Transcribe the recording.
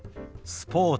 スポーツ。